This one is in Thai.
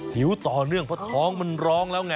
ผิวต่อเนื่องเพราะท้องมันร้องแล้วไง